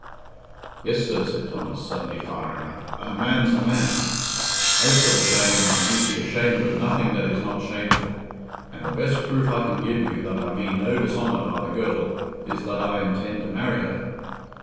"Yes, sir," said Thomas, suddenly firing up, "and a man's a man. As for the shame, I need be ashamed of nothing that is not shameful; and the best proof I can give you that I mean no dishonour by the girl is that I intend to marry her."